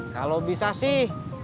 kalau bisa sih